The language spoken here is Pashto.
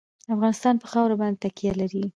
افغانستان په خاوره باندې تکیه لري.